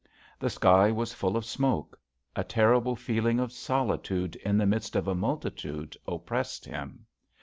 The sky was full of smoke. A terrible feeling of solitude in the midst of a multitude oppressed him.